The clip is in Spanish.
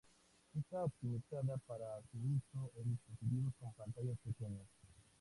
Está optimizada para su uso en dispositivos con pantallas pequeñas.